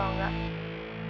aku gak yakin deh